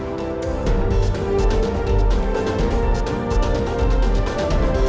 pemilih berdaulat negara kuat